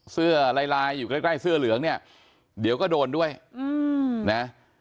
เสื้อลายลายอยู่ใกล้ใกล้เสื้อเหลืองเนี่ยเดี๋ยวก็โดนด้วยนะ